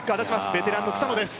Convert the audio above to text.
ベテランの草野です